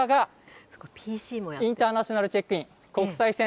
こちらが、インターナショナルチェックイン、国際線。